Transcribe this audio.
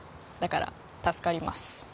だから助かります